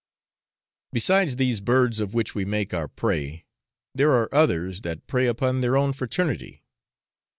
Besides these birds of which we make our prey, there are others that prey upon their own fraternity.